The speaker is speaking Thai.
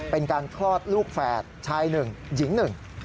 เป็นการคลอดลูกแฝดชายหนึ่งหญิงหนึ่ง